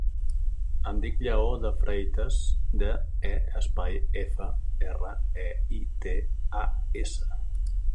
Em dic Lleó De Freitas: de, e, espai, efa, erra, e, i, te, a, essa.